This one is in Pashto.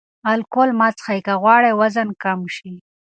الکول مه څښئ که غواړئ وزن کم شي.